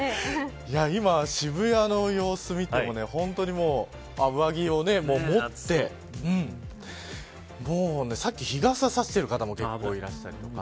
今渋谷の様子を見ても本当に上着を持って日傘を差している方もいらっしゃいました。